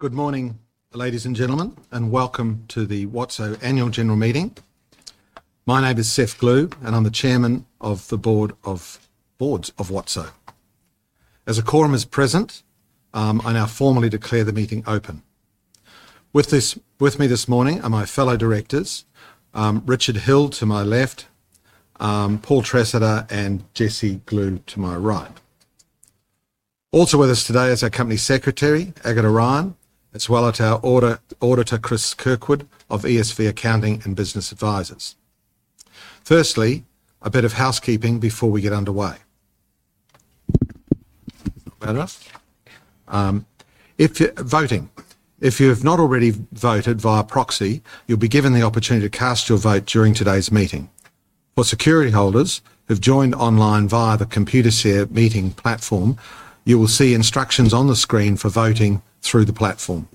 Good morning, ladies and gentlemen, and welcome to the WOTSO annual general meeting. My name is Seph Glew, and I'm the Chairman of the Board of WOTSO. As the Quorum is present, I now formally declare the meeting open. With me this morning are my fellow directors, Richard Hill to my left, Paul Tresseter, and Jessie Glew to my right. Also with us today is our Company Secretary, Agatha Ryan, as well as our Auditor, Chris Kirkwood, of ESV Accounting and Business Advisers. Firstly, a bit of housekeeping before we get underway. Voting. If you have not already voted via proxy, you'll be given the opportunity to cast your vote during today's meeting. For security holders who've joined online via the Computershare meeting platform, you will see instructions on the screen for voting through the platform.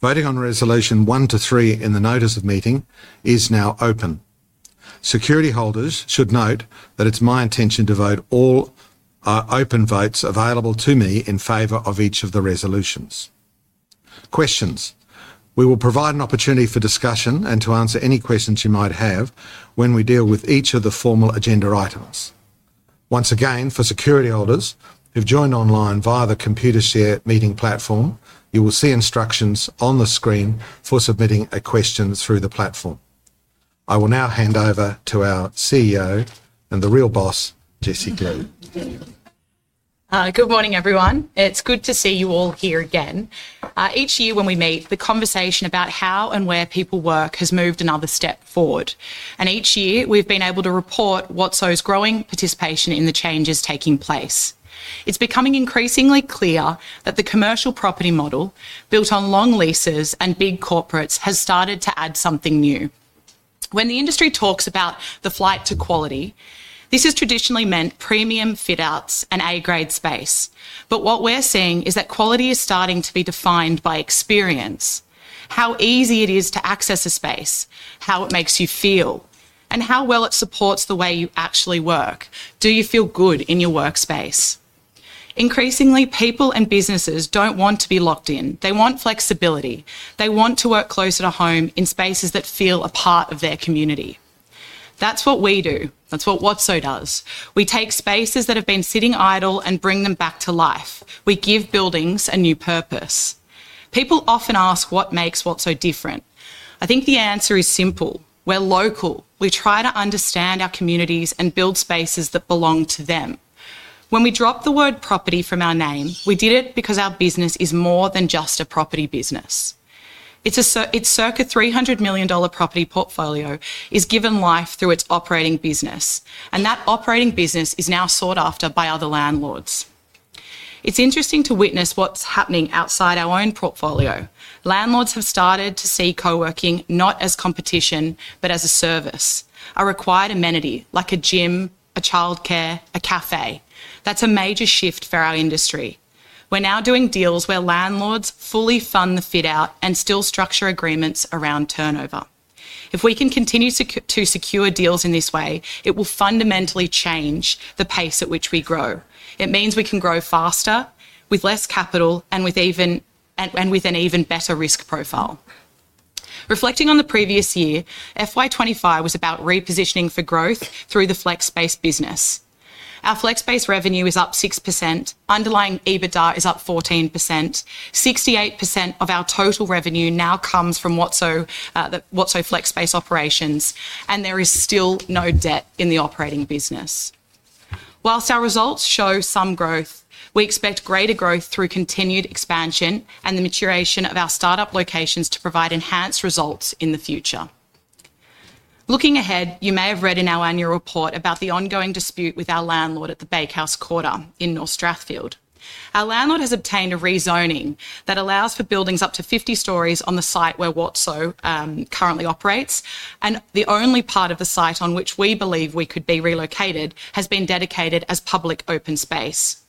Voting on Resolution 1 to 3 in the Notice of Meeting is now open. Security holders should note that it's my intention to vote all open votes available to me in favor of each of the resolutions. Questions. We will provide an opportunity for discussion and to answer any questions you might have when we deal with each of the formal agenda items. Once again, for security holders who've joined online via the Computershare meeting platform, you will see instructions on the screen for submitting questions through the platform. I will now hand over to our CEO and the real boss, Jessie Glew. Good morning, everyone. It's good to see you all here again. Each year when we meet, the conversation about how and where people work has moved another step forward. Each year we've been able to report WOTSO's growing participation in the changes taking place. It's becoming increasingly clear that the commercial property model built on long leases and big corporates has started to add something new. When the industry talks about the flight to quality, this has traditionally meant premium fit-outs and A-grade space. What we're seeing is that quality is starting to be defined by experience: how easy it is to access a space, how it makes you feel, and how well it supports the way you actually work. Do you feel good in your workspace? Increasingly, people and businesses don't want to be locked in. They want flexibility. They want to work closer to home in spaces that feel a part of their community. That's what we do. That's what WOTSO does. We take spaces that have been sitting idle and bring them back to life. We give buildings a new purpose. People often ask what makes WOTSO different. I think the answer is simple. We're local. We try to understand our communities and build spaces that belong to them. When we dropped the word property from our name, we did it because our business is more than just a property business. Its circa 300 million dollar property portfolio is given life through its operating business, and that operating business is now sought after by other landlords. It's interesting to witness what's happening outside our own portfolio. Landlords have started to see co-working not as competition, but as a service, a required amenity like a gym, a childcare, a café. That is a major shift for our industry. We are now doing deals where landlords fully fund the fit-out and still structure agreements around turnover. If we can continue to secure deals in this way, it will fundamentally change the pace at which we grow. It means we can grow faster with less capital and with an even better risk profile. Reflecting on the previous year, FY2025 was about repositioning for growth through the flex-based business. Our flex-based revenue is up 6%. Underlying EBITDA is up 14%. 68% of our total revenue now comes from WOTSO flex-based operations, and there is still no debt in the operating business. Whilst our results show some growth, we expect greater growth through continued expansion and the maturation of our startup locations to provide enhanced results in the future. Looking ahead, you may have read in our annual report about the ongoing dispute with our landlord at the Bakehouse Quarter in North Strathfield. Our landlord has obtained a rezoning that allows for buildings up to 50 stories on the site where WOTSO currently operates, and the only part of the site on which we believe we could be relocated has been dedicated as public open space.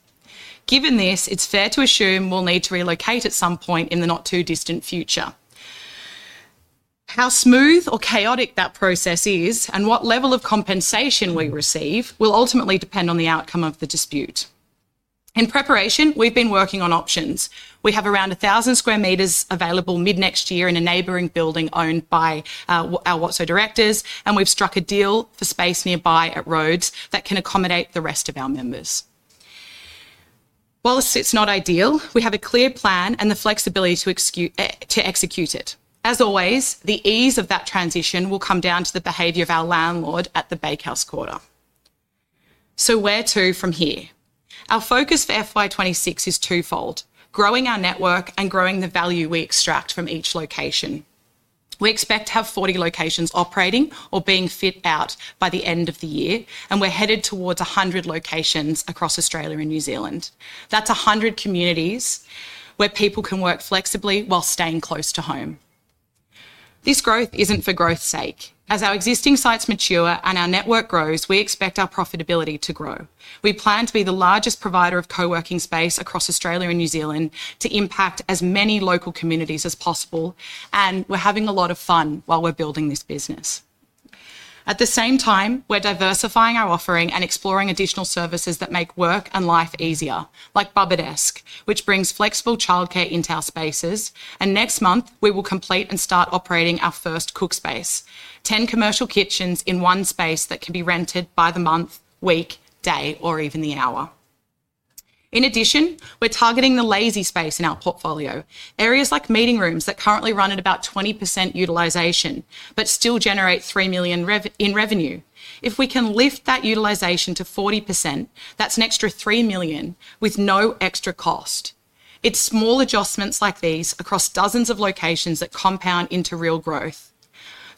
Given this, it's fair to assume we'll need to relocate at some point in the not too distant future. How smooth or chaotic that process is and what level of compensation we receive will ultimately depend on the outcome of the dispute. In preparation, we've been working on options. We have around 1,000 sq m available mid-next year in a neighboring building owned by our WOTSO directors, and we've struck a deal for space nearby at Rhodes that can accommodate the rest of our members. Whilst it's not ideal, we have a clear plan and the flexibility to execute it. As always, the ease of that transition will come down to the behavior of our landlord at the Bakehouse Quarter. Where to from here? Our focus for FY26 is twofold: growing our network and growing the value we extract from each location. We expect to have 40 locations operating or being fit out by the end of the year, and we're headed towards 100 locations across Australia and New Zealand. That's 100 communities where people can work flexibly while staying close to home. This growth isn't for growth's sake. As our existing sites mature and our network grows, we expect our profitability to grow. We plan to be the largest provider of co-working space across Australia and New Zealand to impact as many local communities as possible, and we're having a lot of fun while we're building this business. At the same time, we're diversifying our offering and exploring additional services that make work and life easier, like Bubba Desk, which brings flexible childcare into our spaces. Next month, we will complete and start operating our first Cook Space: 10 commercial kitchens in one space that can be rented by the month, week, day, or even the hour. In addition, we're targeting the lazy space in our portfolio: areas like meeting rooms that currently run at about 20% utilisation but still generate 3 million in revenue. If we can lift that utilisation to 40%, that's an extra 3 million with no extra cost. It's small adjustments like these across dozens of locations that compound into real growth.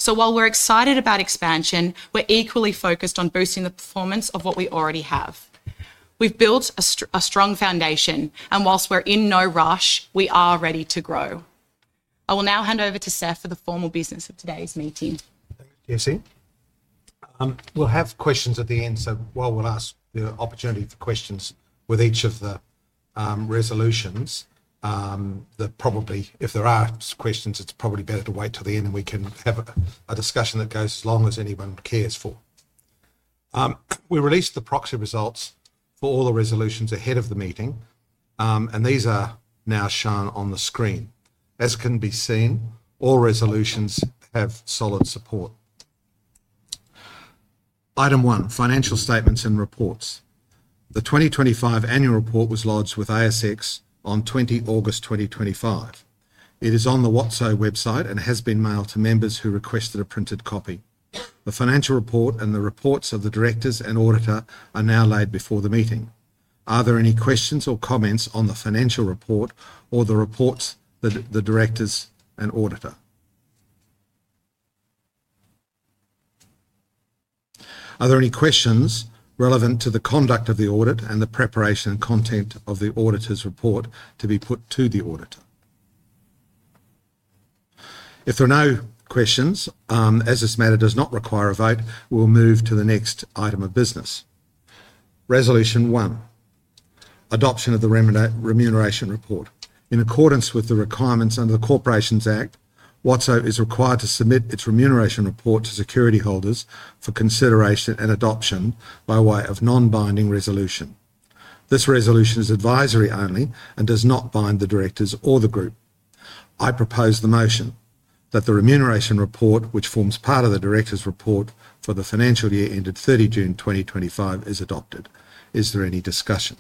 While we're excited about expansion, we're equally focused on boosting the performance of what we already have. We've built a strong foundation, and whilst we're in no rush, we are ready to grow. I will now hand over to Seph for the formal business of today's meeting. Thanks, Jessie. We'll have questions at the end, so while we'll ask the opportunity for questions with each of the resolutions, that probably, if there are questions, it's probably better to wait till the end and we can have a discussion that goes as long as anyone cares for. We released the proxy results for all the resolutions ahead of the meeting, and these are now shown on the screen. As can be seen, all resolutions have solid support. Item one, financial statements and reports. The 2025 annual report was lodged with ASX on 20 August 2025. It is on the WOTSO website and has been mailed to members who requested a printed copy. The financial report and the reports of the directors and auditor are now laid before the meeting. Are there any questions or comments on the financial report or the reports of the directors and auditor? Are there any questions relevant to the conduct of the audit and the preparation and content of the auditor's report to be put to the auditor? If there are no questions, as this matter does not require a vote, we'll move to the next item of business. Resolution one. Adoption of the remuneration report. In accordance with the requirements under the Corporations Act, WOTSO is required to submit its remuneration report to security holders for consideration and adoption by way of non-binding resolution. This resolution is advisory only and does not bind the directors or the group. I propose the motion that the remuneration report, which forms part of the director's report for the financial year ended 30 June 2025, is adopted. Is there any discussion?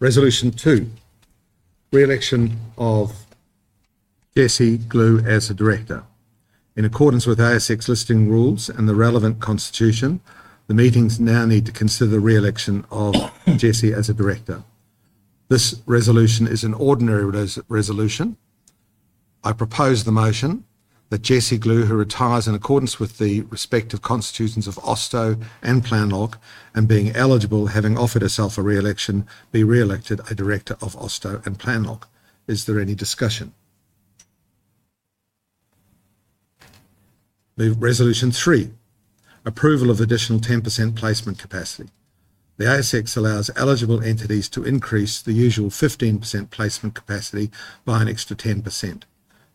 Resolution two. Re-election of Jessie Glew as a director. In accordance with ASX listing rules and the relevant constitution, the meetings now need to consider the re-election of Jessie as a director. This resolution is an ordinary resolution. I propose the motion that Jessie Glew, who retires in accordance with the respective constitutions of WOTSO and Planlock, and being eligible, having offered herself for re-election, be re-elected a director of WOTSO and Planlock. Is there any discussion? Resolution three, approval of additional 10% placement capacity. The ASX allows eligible entities to increase the usual 15% placement capacity by an extra 10%.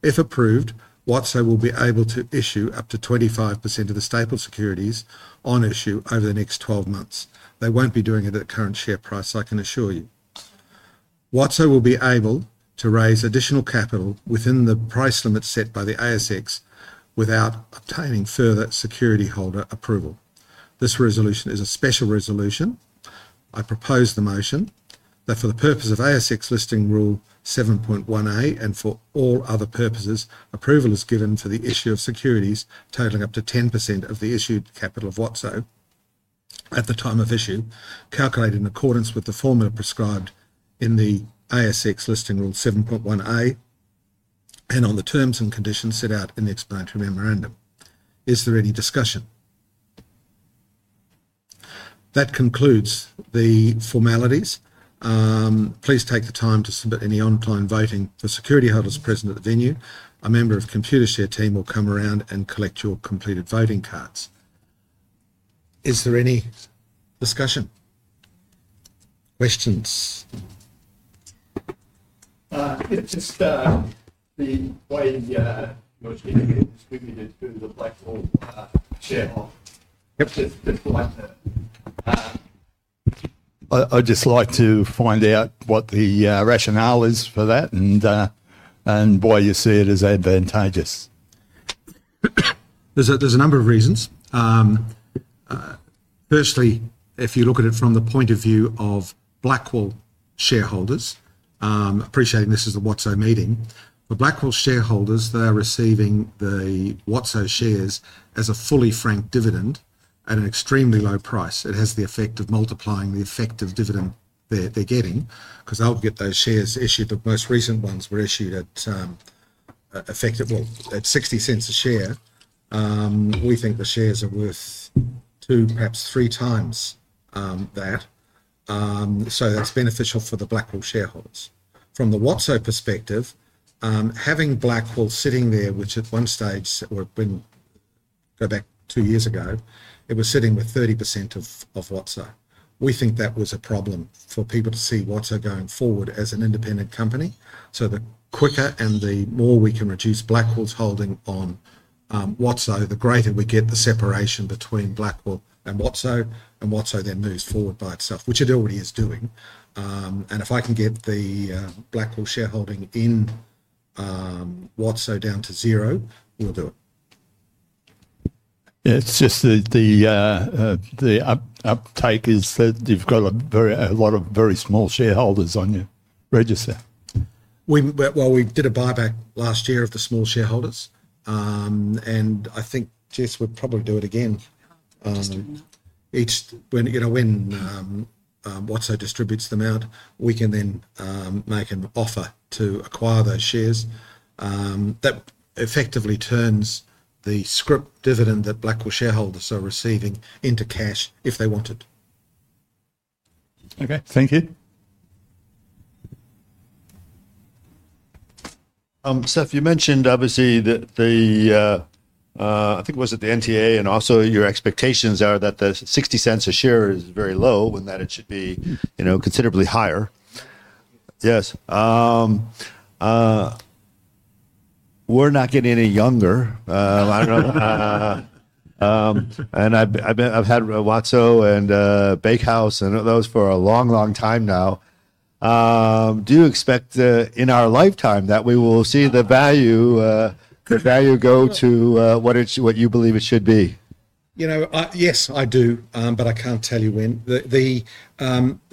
If approved, WOTSO will be able to issue up to 25% of the staple securities on issue over the next 12 months. They won't be doing it at current share price, I can assure you. WOTSO will be able to raise additional capital within the price limit set by the ASX without obtaining further security holder approval. This resolution is a special resolution. I propose the motion that for the purpose of ASX listing rule 7.1A and for all other purposes, approval is given for the issue of securities totaling up to 10% of the issued capital of WOTSO. At the time of issue, calculated in accordance with the formula prescribed in the ASX listing rule 7.1A. On the terms and conditions set out in the explanatory memorandum. Is there any discussion? That concludes the formalities. Please take the time to submit any online voting for security holders present at the venue. A member of the Computershare team will come around and collect your completed voting cards. Is there any discussion? Questions? Just the way you're treating it is good to do the flexible share of. I'd just like to find out what the rationale is for that. Why you see it as advantageous. There's a number of reasons. Firstly, if you look at it from the point of view of Blackwell shareholders, appreciating this is the WOTSO meeting, for Blackwell shareholders, they are receiving the WOTSO shares as a fully franked dividend at an extremely low price. It has the effect of multiplying the effective dividend they're getting because they'll get those shares issued. The most recent ones were issued at, effective, well, at 0.60 a share. We think the shares are worth two, perhaps three times that. That's beneficial for the Blackwell shareholders. From the WOTSO perspective, having Blackwell sitting there, which at one stage, going back two years ago, was sitting with 30% of WOTSO, we think that was a problem for people to see WOTSO going forward as an independent company. The quicker and the more we can reduce Blackwell's holding on. WOTSO, the greater we get the separation between Blackwell and WOTSO, and WOTSO then moves forward by itself, which it already is doing. If I can get the Blackwell shareholding in WOTSO down to zero, we'll do it. It's just the uptake is that you've got a lot of very small shareholders on your register. We did a buyback last year of the small shareholders. I think, Jess, we'll probably do it again. Each time WOTSO distributes them out, we can then make an offer to acquire those shares. That effectively turns the script dividend that Blackwell shareholders are receiving into cash if they want it. Okay, thank you. Seph, you mentioned obviously that the, I think it was at the NTA and also your expectations are that the 60 cents a share is very low and that it should be considerably higher. Yes. We're not getting any younger. I don't know. And I've had WOTSO and Bakehouse and those for a long, long time now. Do you expect in our lifetime that we will see the value go to what you believe it should be? Yes, I do, but I can't tell you when. The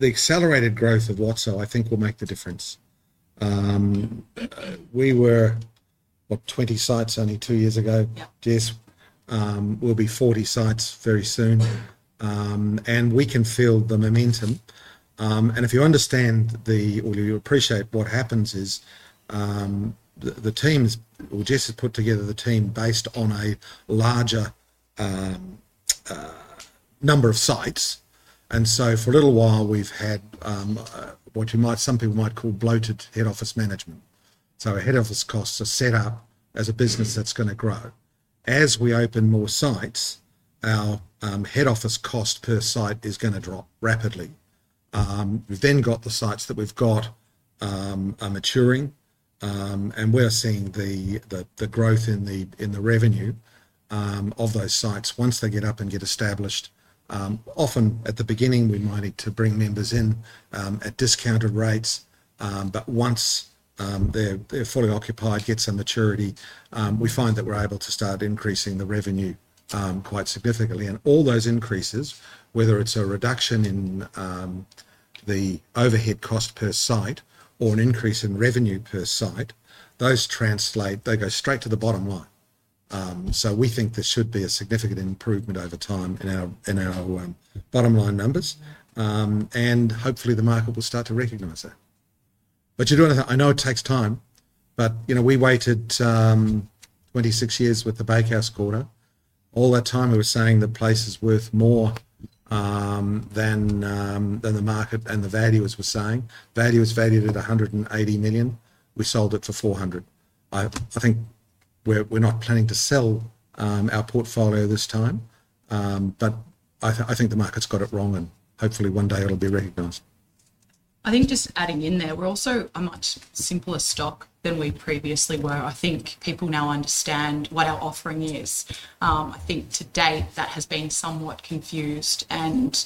accelerated growth of WOTSO, I think, will make the difference. We were, what, 20 sites only two years ago, Jess? We will be 40 sites very soon. We can feel the momentum. If you understand or you appreciate what happens is the teams, or Jess has put together the team based on a larger number of sites. For a little while, we have had what some people might call bloated head office management. Our head office costs are set up as a business that is going to grow. As we open more sites, our head office cost per site is going to drop rapidly. We have then got the sites that we have got maturing, and we are seeing the growth in the revenue of those sites once they get up and get established. Often at the beginning, we might need to bring members in at discounted rates, but once they're fully occupied, get some maturity, we find that we're able to start increasing the revenue quite significantly. All those increases, whether it's a reduction in the overhead cost per site or an increase in revenue per site, those translate, they go straight to the bottom line. We think there should be a significant improvement over time in our bottom line numbers. Hopefully, the market will start to recognize that. You do want to know, I know it takes time, but we waited 26 years with the Bakehouse Quarter. All that time, we were saying the place is worth more than the market and the value as we're saying. Value is valued at 180 million. We sold it for 400 million. I think we're not planning to sell our portfolio this time, but I think the market's got it wrong, and hopefully, one day it'll be recognized. I think just adding in there, we're also a much simpler stock than we previously were. I think people now understand what our offering is. I think to date, that has been somewhat confused, and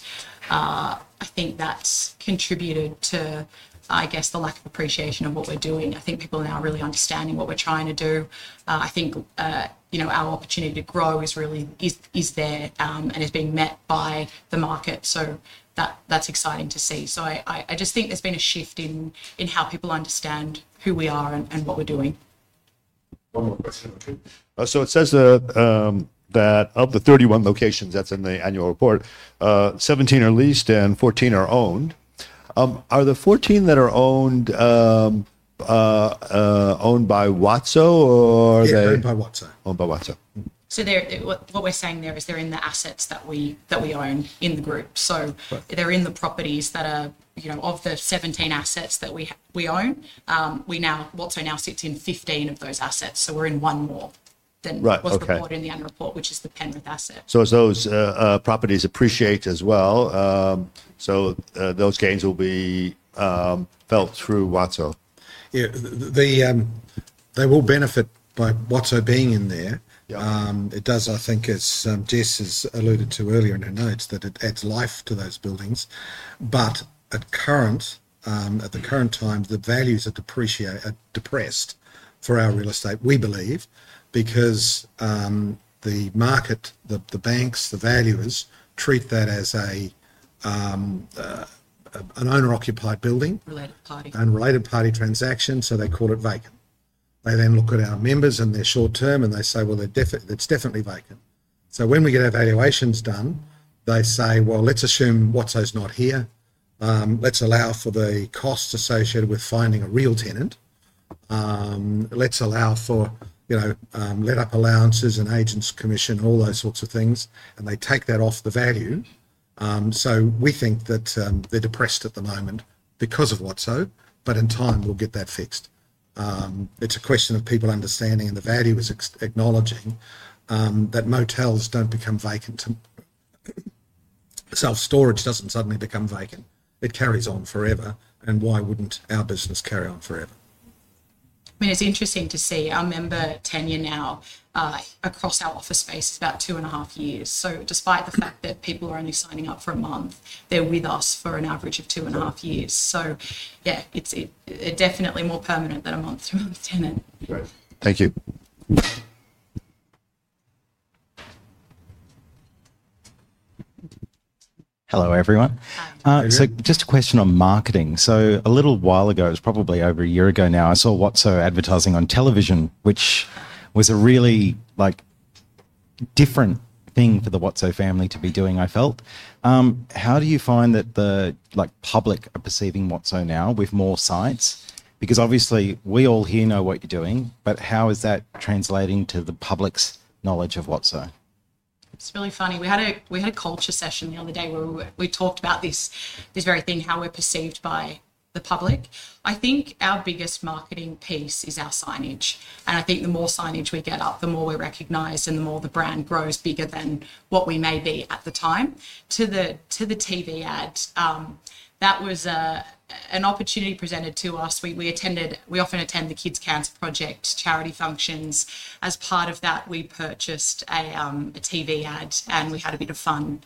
I think that's contributed to, I guess, the lack of appreciation of what we're doing. I think people now are really understanding what we're trying to do. I think our opportunity to grow really is there and is being met by the market. That's exciting to see. I just think there's been a shift in how people understand who we are and what we're doing. One more question. So it says that of the 31 locations that's in the annual report, 17 are leased and 14 are owned. Are the 14 that are owned by WOTSO or are they? They're owned by WOTSO. Owned by WOTSO. What we're saying there is they're in the assets that we own in the group. They're in the properties that are of the 17 assets that we own. WOTSO now sits in 15 of those assets. We're in one more than was reported in the annual report, which is the Penwith asset. Those properties appreciate as well. Those gains will be felt through WOTSO. Yeah. They will benefit by WOTSO being in there. It does, I think, as Jess has alluded to earlier in her notes, that it adds life to those buildings. At the current time, the values are depressed for our real estate, we believe, because the market, the banks, the valuers treat that as an owner-occupied building. Related party. Related party transactions. They call it vacant. They then look at our members and their short term, and they say, "Well, it's definitely vacant." When we get our valuations done, they say, "Let's assume WOTSO's not here. Let's allow for the cost associated with finding a real tenant. Let's allow for let-up allowances and agents' commission, all those sorts of things." They take that off the value. We think that they're depressed at the moment because of WOTSO, but in time, we'll get that fixed. It's a question of people understanding and the valuers acknowledging that motels don't become vacant. Self-storage doesn't suddenly become vacant. It carries on forever. Why wouldn't our business carry on forever? I mean, it's interesting to see. I'm member tenure now. Across our office space, it's about two and a half years. So despite the fact that people are only signing up for a month, they're with us for an average of two and a half years. Yeah, it's definitely more permanent than a month-to-month tenant. Great. Thank you. Hello, everyone. Hi. Just a question on marketing. A little while ago, it was probably over a year ago now, I saw WOTSO advertising on television, which was a really different thing for the WOTSO family to be doing, I felt. How do you find that the public are perceiving WOTSO now with more sites? Because obviously, we all here know what you're doing, but how is that translating to the public's knowledge of WOTSO? It's really funny. We had a culture session the other day where we talked about this very thing, how we're perceived by the public. I think our biggest marketing piece is our signage. I think the more signage we get up, the more we're recognized and the more the brand grows bigger than what we may be at the time. To the TV ad. That was an opportunity presented to us. We often attend the Kids' Counts Project charity functions. As part of that, we purchased a TV ad, and we had a bit of fun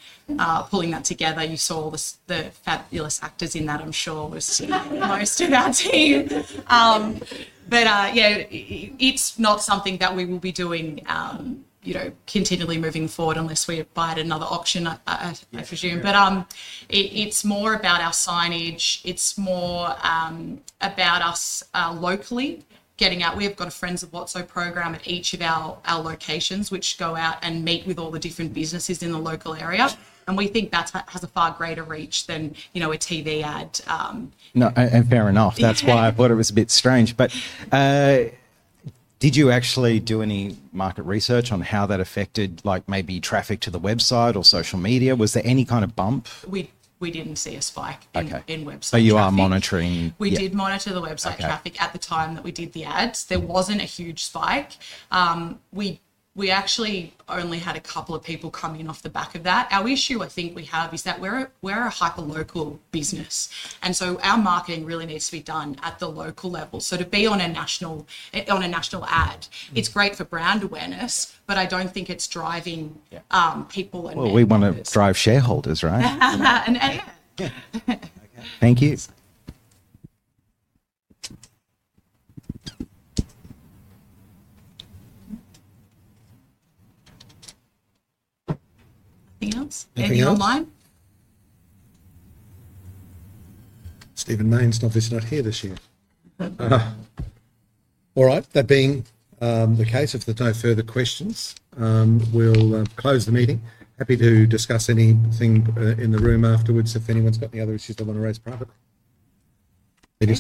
pulling that together. You saw the fabulous actors in that, I'm sure, most of our team. Yeah, it's not something that we will be doing continually moving forward unless we buy it at another auction, I presume. It's more about our signage. It's more about us locally getting out. We have got a Friends of WOTSO program at each of our locations, which go out and meet with all the different businesses in the local area. We think that has a far greater reach than a TV ad. No, and fair enough. That's why I thought it was a bit strange. Did you actually do any market research on how that affected maybe traffic to the website or social media? Was there any kind of bump? We didn't see a spike in websites. You are monitoring. We did monitor the website traffic at the time that we did the ads. There was not a huge spike. We actually only had a couple of people come in off the back of that. Our issue, I think we have, is that we are a hyper-local business. Our marketing really needs to be done at the local level. To be on a national ad, it is great for brand awareness, but I do not think it is driving people in. We want to drive shareholders, right? Yeah. Thank you. Anything else? Anything online? Stephen Maine's not visiting here this year. All right. That being the case, if there's no further questions, we'll close the meeting. Happy to discuss anything in the room afterwards if anyone's got any other issues they want to raise privately. Any.